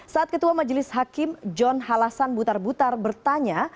saat ketua majelis hakim john halasan butar butar bertanya